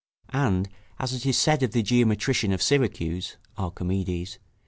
And, as it is said of the geometrician of Syracuse, [Archimedes.